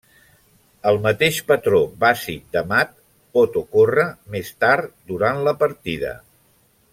El mateix patró bàsic de mat pot ocórrer més tard durant la partida.